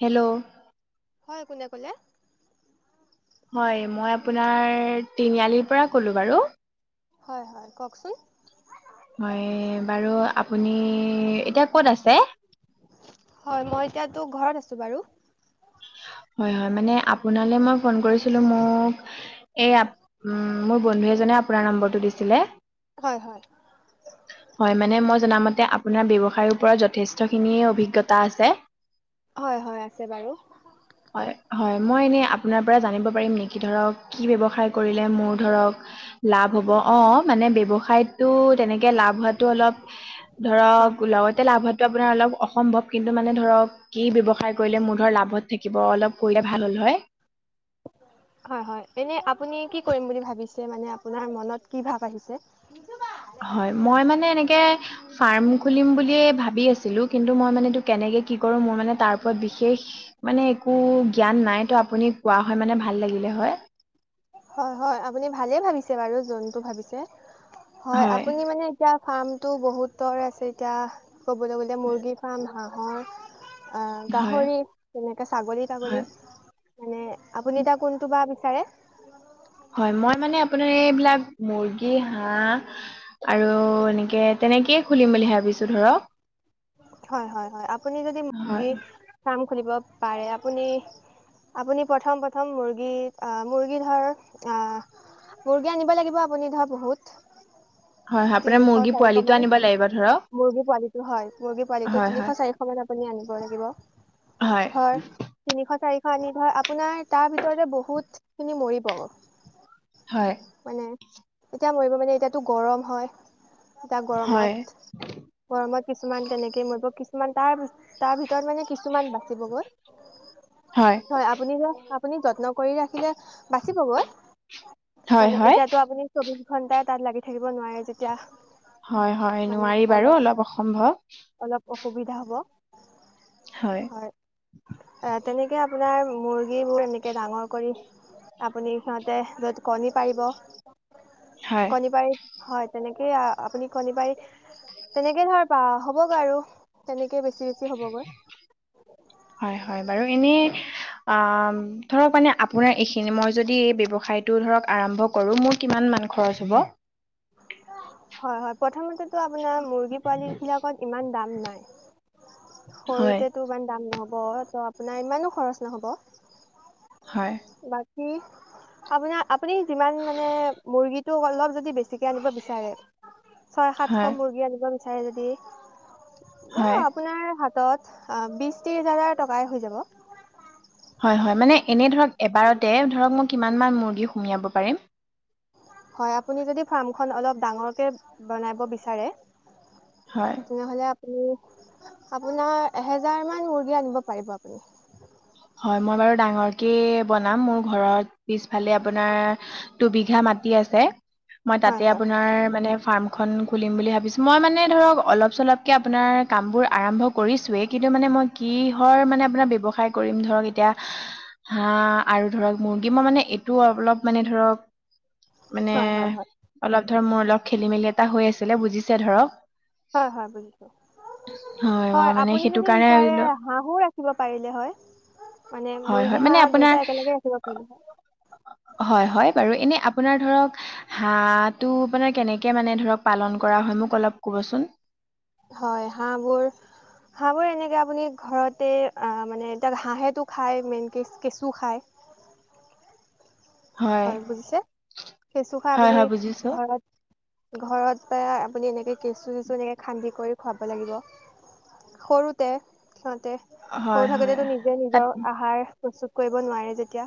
Hello হয় কোনে ক'লে হয় মই আপোনাৰ তিনিআলিৰ পৰা ক'লো বাৰু হয় হয় কওকচোন হয় বাৰু আপুনি এতিয়া ক'ত আছে হয় মই এতিয়াতো ঘৰত আছোঁ বাৰু হয় হয় মানে আপোনালৈ মই ফোন কৰিছিলো মোক এই মোৰ বন্ধু এজনে আপোনাৰ নম্বৰটো দিছিলে হয় হয়। [unintelligible] হয় মানে মই জনামতে আপোনাৰ ব্যৱসায়ৰ ওপৰত যথেষ্টখিনিয়ে অভিজ্ঞতা আছে হয় হয় আছে বাৰু হয় হয় মই এনেই আপোনাৰ পৰা জানিব পাৰিম নেকি ধৰক কি ব্যৱসায় কৰিলে মোৰ ধৰক লাভ হ'ব অ মানে ব্যৱসায়ত টো তেনেকে লাভ হোৱা অলপ হয় ধৰক লগতে লাভ হোৱা টো আপোনাৰ অলপ অসম্ভৱ কিন্তু মানে ধৰক কি ব্যৱসায় কৰিলে মধৰ লাভত থাকিব অলপ কলে ভাল হ'ল হয় হয় হয় এনে আপুনি কি কৰিম বুলি ভাবিছে মানে আপোনাৰ মনত কি ভাব আহিছে তুবা হয় মই মানে এনেকে ফাৰ্ম খুলিম বুলিয়ে ভাবি আছিলো কিন্তু মই মানে এইটো কেনেকে কি কৰো মোৰ মানে তাৰ ওপৰত বিশেষ মানে একো একো জ্ঞান নাই তো আপুনি কোৱা হয় মানে ভাল লাগিলে হয়। হয় হয় আপুনি ভালে ভাবিছে বাৰু জোনটো ভাবিছে। হয়, আপুনি মানে এতিয়া ফাৰ্মটো বহুতৰ আছে এতিয়া ক'বলৈ গ'লে মুৰ্গী ফাৰ্ম হাঁহৰ আঁ হয় গাহৰি তেনেকে ছাগলী হয় তাগলী। মানে আপুনি এতিয়া কোনটো বা বিচাৰে? হয় মই মানে আপোনাৰ এইবিলাক মুৰ্গী হাঁহ আৰু এনেকে তেনেকেই খুলিম বুলি ভাবিছো ধৰক। হয় হয় হয়, আপুনি যদি হয় মুৰ্গী ফাৰ্ম খুলিব পাৰে আপুনি আপুনি প্ৰথম প্ৰথম মুৰ্গী অ মুৰ্গী ধৰ আহ মুৰ্গী আনিব লাগিব আপুনি ধৰ বহুত। হয় হয় আপোনাৰ তিনিশ মুৰ্গী চাৰিশ পোৱালিটো মান আনিব লাগিব ধৰক মুৰ্গী পোৱালিটো হয়। মুৰ্গী পোৱালিটো হয় তিনিশ হয় চাৰিশ মান আপুনি আনিব লাগিব। হয় ধৰ তিনিশ চাৰিশ আনি ধৰ আপোনাৰ তাৰ ভিতৰতে বহুত খিনি মৰিব। হয়। মানে এতিয়া মৰিব মানে এতিয়াতো গৰম হয় এতিয়া হয় গৰমত। গৰমত কি ছুমান তেনেকে মৰিব, কিছুমান তাৰ তাৰ ভিতৰত মানে কিছুমান বাচিব গৈ। হয় আপুনি যে আপুনি যত্ন কৰি ৰাখিলে বাচিবগৈ। হয় মানে হয় এতিয়াটো আপুনি চৌবিশ ঘন্টাই তাত লাগি থাকিব নোৱাৰে যেতিয়া। হয় হয় নোৱাৰি বাৰু অলপ অসম্ভৱ। অলপ অসুবিধা হ'ব। হয়। হয়, এ তেনেকে আপোনাৰ মুৰ্গীবোৰ এনে কে ডাঙৰ কৰি আপুনি সিহঁতে কণী পাৰিব। হয় কণী পাৰি হয় তেনেকেই আপুনি কণী পাৰী তেনেকেই ধৰ প হ'বগৈ আৰু। তেনেকে বেছি বেছি হ'বগৈ। হয় হয় বাৰু এনেই আ ধৰক মানে আপোনাৰ এইখিনি মই যদি এই ব্যৱসায়টো ধৰক আৰম্ভ কৰো, মোৰ কিমান মান খৰচ হ'ব? হয় হয় প্ৰথমতেতো আপোনাৰ মুৰ্গী পোৱালী বিলাকত ইমান দাম নাই। হয় সৰুতেটো ইমান দাম নহব, ত' আপোনাৰ ইমানো খৰচ নহব। হয়। ‌ বাকী আপুনাৰ আপুনি যিমান মানে মুৰ্গী তো অলপ যদি বেছিকে আনিব বিচাৰে ছয় হয় সাতশ মুৰ্গী আনিব বিচাৰে যদি হয় আপোনাৰ হাতত বিছ ত্ৰিছ হাজাৰ টকাই হৈ যাব। হয়, হয়। মানে এনেই ধৰক এবাৰতে ধৰক মই কিমান মান মুৰ্গী সুমিয়াব পাৰিম? হয়, আপুনি যদি ফাৰ্মখন অলপ ডাঙৰকে বনাব বিচাৰে। হয়। তেনেহ'লে আপুনি আপোনাৰ এহেজাৰমান মুৰ্গী আনিব পাৰিব আপুনি। হয়, মই বাৰু ডাঙৰকে বনাম। মোৰ ঘৰত পিছফালে আপোনাৰ দুবিঘা মাটি আছে মই হয় তাতে হয় আপোনাৰ মানে ফাৰ্মখন খুলিম বুলি ভাবিছো মই মানে ধৰক অলপ চলপকে আপোনাৰ কাম বোৰ আৰম্ভ কৰিছোৱেই কিন্তু মানে মই কিহৰ মানে আপোনাৰ ব্যৱসায় কৰিম ধৰক এতিয়া হাঁ আৰু ধৰক মুৰ্গী মই মানে এইটো অলপ মানে ধৰক মানে হয় হয় হয় অলপ ধৰ মোৰ অলপ খেলি মেলি এটা হৈ আছিলে বুজিছে ধৰক। হযঁ হয়ঁ, বুজিছো হয় মই হয়ঁ, মানে আপুনি সেইটো যদি কাৰণে ভাবিলো বিচাৰে- হাঁহো ৰাখিব পাৰিলে হয়, মানে হয় হয় মুৰ্গী মানে হাঁহ আপোনাৰ দুইটা একেলগে ৰাখিব পাৰিলে হয়। হয়ঁ হয়ঁ বাৰু এনে আপোনাৰ ধৰক- হাঁহ টো মানে কেনেকে মানে ধৰক পালন কৰা হয়, মোক অলপ কবচোন? হয়ঁ, হাঁহবোৰ- হাঁহবোৰ এনেকৈ আপুনি ঘৰতে আ মানে এতিয়া হাঁহেতো খায় মেইনকেচ কেঁচু খায়। হয়, হয়ঁ, বুজিছে কেঁচু খাই হয়, আপুনি হয় বুজিছোঁ। ঘৰত- ঘৰত বা আপুনি এনেকে কেঁচু চেচু এনেকে খান্দি কৰি খুৱাব লাগিব। সৰুতে সিহতে হয়, সৰু হয়। থাকোতেতো নিজে তাত নিজৰ আহাৰ- প্ৰস্তুত কৰিব নোৱাৰে যেতিয়া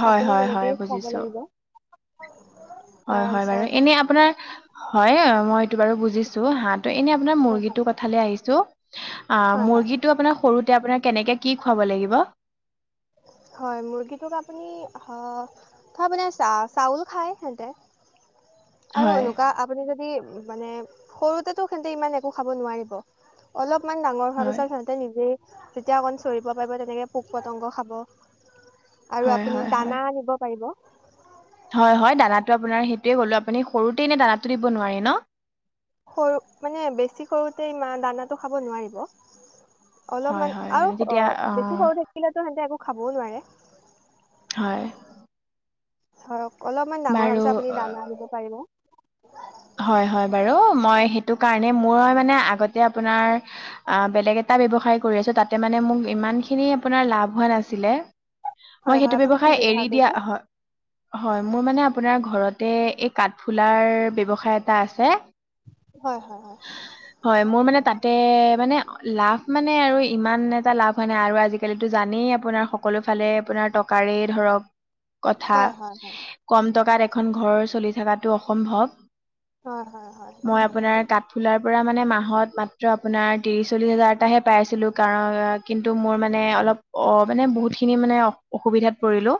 হয়, আপুনি হয়, হয় তেনেকৈয়ে খুৱাব লাগিব। হয়ঁ, হয়ঁ, বাৰু তাৰপিছত এনে আপোনাৰ হয়ঁ, মই এইটো বাৰু বুজিছো হাঁহটো এনে আপোনাৰ হয় মুৰ্গীটো কঠ ফালে আহিছো আহ হয় হয় মুৰ্গীটো আপোনাৰ সৰুতে আপোনাৰ কেনেকে কি খুৱাব লাগিব? হয়ঁ, মুৰ্গীটোক আপুনি অঁ ধৰ চাউল খায় সিহঁতে। [inaudible] আৰু এনেকুৱা আপুনি যদি মানে সৰুতেতো সিঁহতে ইমান একো খাব নোৱাৰিব। অলপমান ডাঙৰ হোৱাৰ হয়, পিছত সিহঁতে নিজেই যেতিয়া অকন চৰিব পাৰিব তেনেকে পোক পতংগ খাব। আৰু হয়, আপুনি হয়, দানা আনিব পাৰিব। হয়ঁ, হয়ঁ, দানাটো আপোনাৰ সেইটোয়ে কলো আপুনি সৰুতেই এনে দানাতো দিব নোৱাৰে ন? সৰু মানে বেছি সৰুতে মানে দানাটো খাব নোৱাৰিব। হয়, অলপমান হয় আৰু মানে তেতিয়া অ', বেছি সৰু থাকিলেতো সিহঁতে একো খাবও নোৱাৰে। হয়ঁ। ধৰক অলপমান ডাঙৰ হোৱা বাৰু পিছত আপুনি দানা দিব পাৰিব। হয়ঁ, হয়ঁ, বাৰু মই সেইটো কাৰণে মোৰ মানে আগতে আপোনাৰ- আ বেলেগ এটা ব্যয়ৱসায় কৰি আছো তাতে মানে মোক ইমান খিনি আপোনাৰ লাভ হোৱা নাছিলে। হয় মই হয় সেইটো আপুনি কি ব্যৱসায় ব্যৱহাৰ এৰি দিয়া কৰিছিল? হয়- হয়ঁ, মোৰ মানে আপোনাৰ ঘৰতে এই কাঠফুলাৰ ব্যৱসায় এটা আছে। হয়ঁ, হয়ঁ, হয়ঁ। হয়ঁ, মোৰ মানে তাতে মানে লাভ মানে আৰু ইমান এটা লাভ হয় নাই আৰু আজিকালি জানেই আপোনাৰ সকলো ফালে আপোনাৰ টকাৰেই ধৰক- কথা হয় হয় হয় হয় কম টকাত এখন ঘৰ চলি থকাটো অসম্ভৱ। হয়ঁ, হয়ঁ। মই আপোনাৰ কাঠ- খুলাৰ পৰা মানে মাহত মাত্ৰ আপোনাৰ ত্ৰিশ চল্লিশ হাজাৰএটাহে পাইছিলো কাৰন নন কিন্তু মোৰ মানে অলপ অ', মানে বহুতখিনি মানে- অসুবিধাত পৰিলো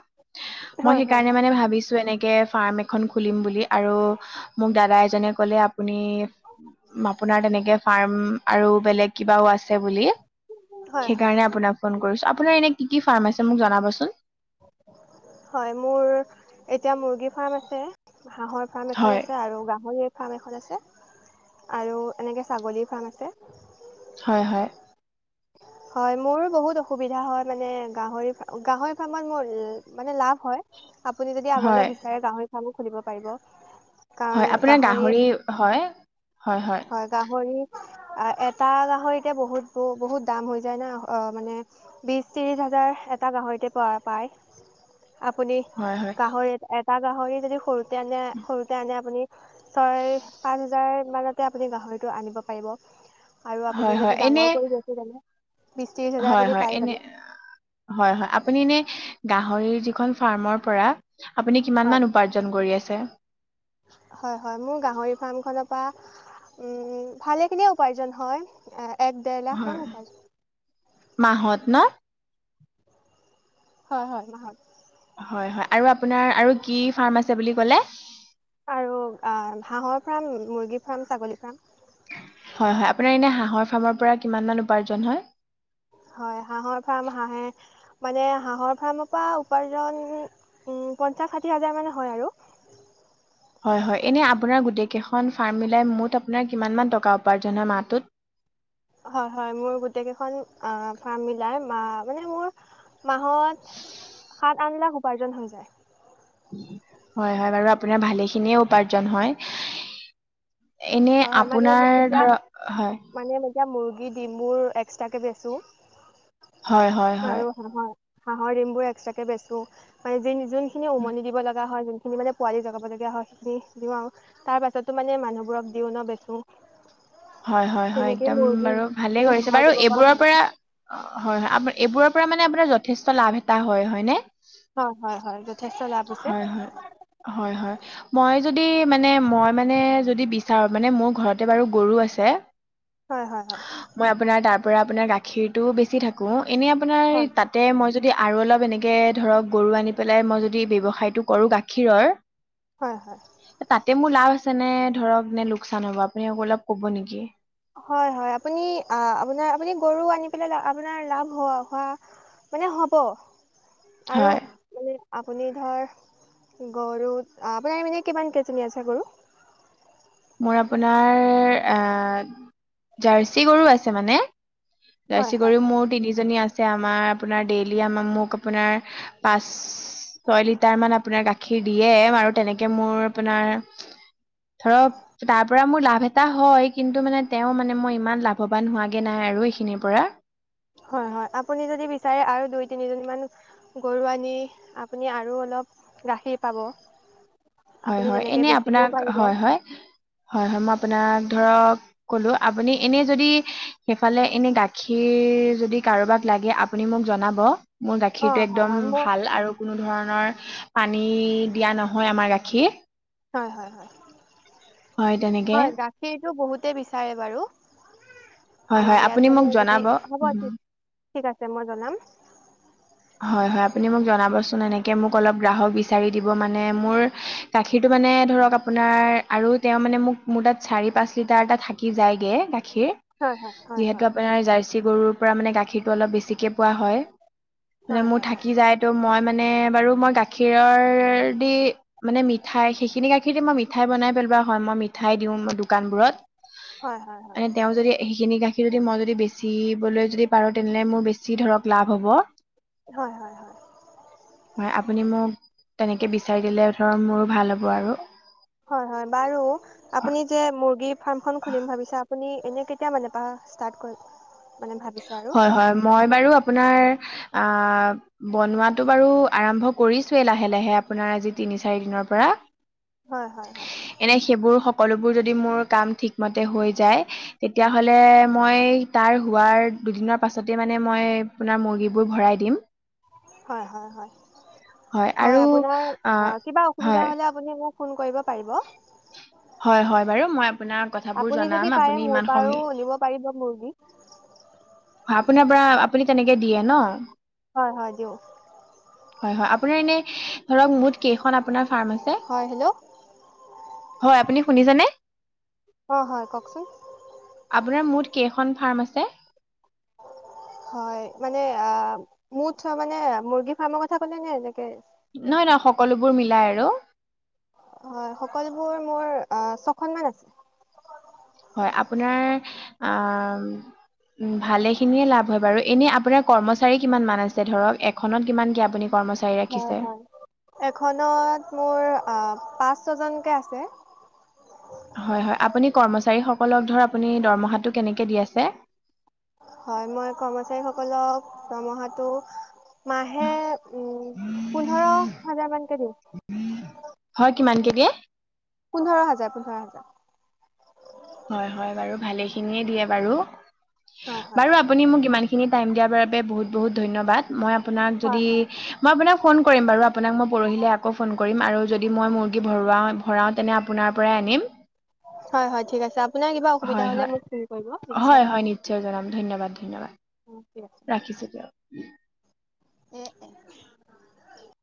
মই হয় হয় সেইকাৰণে হয় মানে ভাবিছো এনেকে- ফাৰ্ম এখন খুলিম বুলি আৰু- মোক দাদা এজনে ক'লে আপুনি আপোনাৰ তেনেকে ফাৰ্ম আৰু বেলেগ- কিবাও আছে বুলি হয় হয় হয়। সেইকাৰণে আপোনাক- ফোন কৰিছো আপোনাৰ এনে কি কি ফাৰ্ম আছে মোক জনাবচোন? হয়ঁ মোৰ এতিয়া মুৰ্গী ফাৰ্ম আছে হাঁহৰ। ফাৰ্ম এখন হয় আছে আৰু গাহৰিৰ ফাৰ্ম এখন আছে আৰু এনেকৈ ছাগলীৰ ফাৰ্ম আছে। হয়ঁ হয়ঁ! হয়ঁ মোৰো বহুত অসুবিধা হয়ঁ মানে গাহৰি গাহৰি ফাৰ্মত মোৰ মানে লাভ হয়। আপুনি যদি আগলে হয় বিচাৰে গাহৰি ফাৰ্মো খুলিব পাৰিব। হয়, আপোনাৰ গাহৰি হয় হয় হয়। হয়, গাহৰি এটা গাহৰিতে বহুত ব বহুত দাম হৈ যায় না অ মানে বিশ ত্ৰিশ হাজাৰ এটা গাহৰিতে পো পায়। আপুনি হয় হয় গাহৰি এটা গাহৰি যদি সৰুতে আনে সৰুতে আনে আপুনি - ছয় পাঁচ হাজাৰ মানতে আপুনি গাহৰিটো আনিব পাৰিব আৰু হয় আপুনি হয় যদি এনে ডাঙৰ কৰি বেছে তেনে বিশ ত্ৰিশ হাজাৰ হয় আপুনি হয় পাই এনে যাব। হয় হয় আপুনি এনে গাহৰি যিখন ফাৰ্মৰ পৰা আপুনি হয় কিমান উপাৰ্- ৰ্জন কৰি আছে? হয় হয়, মোৰ গাহৰি ফাৰ্মখনৰ পা উম ভালেখিনি উপাৰ্জন হয়। এক ডেৰ লাখমান হয়, উপাৰ্জন মাহত ন? হয় হয় মাহত। হয় হয়, আৰু আপোনাৰ আৰু কি ফাৰ্ম আছে বুলি কলে? আৰু হাঁহৰ ফাৰ্ম, মুৰ্গী ফাৰ্ম, ছাগলী ফাৰ্ম, হয় হয়, আপোনাৰ এনেই হাঁহৰ ফাৰ্মৰ পৰা কিমান মান উপাৰ্জন হয়? হয়, হাঁহৰ ফাৰ্ম হাঁহে মানে হাঁহৰ ফাৰ্মৰ পৰা উপাৰ্জন উ পঞ্চাশ ষাঠি হাজাৰ মান হয় আৰু। হয় হয়, এনে আপোনাৰ গোটেই কেইখন ফাৰ্ম মিলাই মুঠ আপোনাৰ কিমান মান টকা উপাৰ্জন হয় মাহটোত? হয় হয়, মোৰ গোটেই কেইখন অ ফাৰ্ম মিলাই মা মানে মোৰ মাহত সাত আঠ লাখ উপাৰ্জন হৈ যায়। হয় হয়, বাৰু আপোনাৰ ভালেখিনিয়ে উপাৰ্জন হয়। এনেই হয় হয় মানে আপোনাৰ মোৰ এতিয়া ধৰক, হয়। মানে এতিয়া মুৰ্গী ডিম্বোৰ এক্সট্ৰাকে বেছো। হয় হয় হয় আৰু হাঁহৰ হাঁহৰ ডিম বোৰ এক্সট্ৰাকে বেচো মানে যি- যোনখিনি উমনি দিব লগা হয়, খিনি মানে পোৱালি জগাবলগীয়া হয় সেইখিনি দিওঁ আৰু তাৰ পাছতো মানে মানুহবোৰক দিওঁ ন বেচোঁ। হয় হয় হয়, একদম মুৰ্গী বাৰু ভালে ডিম কৰিছে হাঁহৰ বাৰু দিব এইবোৰৰ ভাল পৰা - অ হয় হয় আপ এইবোৰৰ পৰা মানে আপোনাৰ যথেষ্ট লাভ এটা হয় হয়নে? অ, হয় হয় হয়, যথেষ্ট লাভ হৈছে। হয় হয় হয় হয়। মই যদি মানে মই মানে যদি বিচাৰো মানে মোৰ ঘৰতে বাৰু গৰু আছে। হয় হয় হয়। মই আপোনাৰ তাৰ পৰা আপোনাৰ গাখীৰটো বেছি থাকো এনেই আপোনাৰ হয় হয় তাতে মই য- দি আৰু অলপ এনেকে ধৰক গৰু আনি পেলাই মই যদি ব্যৱসায়টো কৰো গাখীৰৰ হয় হয়। তাতে মোৰ লাভ আছে নে ধৰক নে লোকচান হব আপুনি আকৌ অলপ কব নেকি। হয় হয়, আপুনি আপোনাৰ আপুনি গৰু আনি পেলাই আপোনাৰ লাভ হ হোৱা মানে হ'ব। আৰু হয় মানে আপুনি ধৰ গৰুত, আপোনাৰ মানে কিমান কেইজনী আছে গৰু? মোৰ আপোনাৰ এ জাৰ্চি গৰু আছে মানে। হয় জাৰ্চি হয় গৰু হয় মোৰ তিনিজনী আছে, আমাৰ আপোনাৰ ডেইলি আমাৰ মোক আপোনাৰ পাঁচ ছয় লিটাৰ মান আপোনাৰ গাখীৰ দি- য়ে আৰু তেনেকে মোৰ আপোনাৰ ধৰক তাৰ পৰা মোৰ লাভ এটা হয় কিন্তু মানে তেওঁ মানে মই ইমান লাভৱান হোৱাগে নাই আৰু এইখিনিৰ পৰা। হয় হয় আপুনি যদি বিচাৰে আৰু দুই - তিনিজনী মান গৰু আনি আপুনি আৰু অলপ গাখীৰ পাব। হয় আপুনি হয় তেনেকে এনে বেচিবও আপোনাক পাৰিব হয়, হয়, হয়, হয়, মই আপোনাক ধৰক কলো আপুনি এনে যদি সেইফালে এনে গাখীৰ যদি কাৰোবাক লাগে আ পুনি মোক জনাব। মোৰ অ গাখীৰটো হয় একদম হয় মোৰ ভাল আৰু কোনো ধৰণৰ পানী দিয়া নহয় আমাৰ গাখ খীৰ। হয়, হয়, হয়, হয় তেনেকে হয় গা খিৰটো বহুতে বিচাৰে বাৰু। হয় হয় আমাৰ আপুনি ইয়াত মোক মানে যদি, জনাব হ'ব উম, ঠিক ঠিক আছে মই জনাম। হয় হয় আপুনি মোক জনাবচোন এনেকে মোক অলপ গ্ৰাহক বিচাৰি দিব মানে মোৰ গাখীৰটো মানে ধৰক আপোনাৰ আৰু তেওঁ মানে মোক মোৰ তাত চাৰি, পাঁচ লিটাৰ টা থাক কি যায়গে গাখীৰ, হয় হয় হয় হয় যিহেতু আপোনাৰ জাৰ্চি গৰু পৰা মানে গাখীৰটো অলপ বেছিকে পোৱা হয়। মানে হয় মোৰ হয় হয় থাকি যায় তো মই মানে বাৰু মই গাখীৰৰ দি মানে মিঠাই সেইখিনি গাখীৰৰে মই মিঠাই বনাই পেলোৱা হয়, মই মিঠাই দিওঁ, মই দু কানবোৰত হয় হয় মানে তেওঁ যদি এইখিনি গাখীৰ যদি মই যদি বেচিবলৈ যদি পাৰোঁ তেনেহলে মোৰ বেছি ধৰক লাভ হ'ব। হয়, হয়, হয়। হয় আপুনি মোক তেনেকে বিচাৰি দিলে ধৰক মোৰো ভাল হ'ব আৰু। হয় হয় বাৰু আপুনি যে মুৰ্গী ফাৰ্মখন খুলিম ভাবিছে আপুনি এনেকে কেতিয়া মানে পা ষ্টাৰ্ট কৰিব? হয় হয় মই বাৰু আপোনাৰ আ বনোৱাতো বাৰু আৰম্ভ কৰিছোয়েই লাহে লাহে আপোনাৰ আজি তিনি, চাৰি দিনৰ পৰা। হয় হয় হয়। এনে সেইবোৰ সকলোবোৰ যদি মোৰ কাম ঠিকমতে হৈ যায় তেতিয়াহ'লে মই তাৰ হোৱাৰ দুদিনৰ পাছতেই মানে মই আপোনাৰ মুৰ্গীবোৰ ভৰাই দিম। হয় হয় হয়, হয় আপোনাৰ অ আ কিবা অসুবিধা হয় হ'লে আপুনি মোক ফোন কৰিব পাৰিব। হয় হয় বাৰু মই আপোনাৰ কথাবোৰ জনাম, আপুনি ইমান সমি পাৰিবা মুৰ্গী। হয় আপুনি আপোনাৰ, আপুনি তেনেকে দিয়ে ন'? হয় হয় দিও। হয় হয়, আপোনাৰ এনে ধৰক মুঠ কেইখন আপোনাৰ ফাৰ্ম আছে? হয় হেল্ল' হয় আপুনি শুনিছেনে? অ', হয় কওকচোন? আপোনাৰ মুঠ কেইখন ফাৰ্ম আছে? হয় মানে আ মূ্ঠ মানে মুৰ্গী ফাৰ্মৰ কথা কলে নে এনেকে নহয় ন, সকলোবোৰ মিলাই আৰু। হয় সকলোবোৰ মোৰ অ', ছখন মান আছে। হয় আপোনাৰ আম উম, ভালেখিনিয়ে লাভ হয় বাৰু এনে আপোনাৰ কৰ্মচাৰী কিমান মান আছে ধৰক এখনত কিমান কি আপুনি কৰ্মচা হয় হয়, এখনত মোৰ আ পাঁচ ছজনকৈ আছে হয় হয়, আপুনি কৰ্মচাৰীসকলক ধৰ আপুনি দৰমহাটো কেনেকৈ দি আছে? হয়, মই কৰ্মচাৰীসকলক দৰমহাটো মাহে উম পোন্ধৰ হাজাৰ মানকে দিওঁ। হয়, কিমান কে দিয়ে? পোন্ধৰ হাজাৰ পোন্ধৰ হাজাৰ। হয় হয় বাৰু ভালে খিনিয়ে দিয়ে বাৰু, হয় হয়, বাৰু আ পুনি মোক ইমানখিনি টাইম দিয়াৰ বাবে বহুত বহুত ধন্যবাদ। মই আপোনাক হয় যদি হয়, মই আপোনাক ফোন কৰিম বাৰু। আপোনাক মই পৰহিলৈ আকৌ ফোন কৰিম আৰু যদি মই মুৰ্গী ভৰুৱাম ভৰাওঁ তেনে আপোনাৰ পৰাই আনিম। হয় হয় ঠিক আছে আপোনাৰ কিবা অসুবিধা হয় হলে হয় মোক ফোন কৰিব হয় নিশ্চয়। হয় নিশ্চয় জনাম ধন্যবাদ ধন্যবাদ। [unintelligible] ৰাখিছো দিয়ক। [unintelligible]